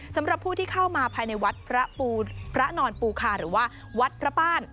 สำหรับผู้ที่เข้ามาภายในวัดพระนอนปูคาหรือว่าวัดพระบ้าน